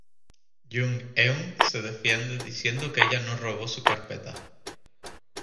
Jung Eun se defiende diciendo que ella no robó su carpeta.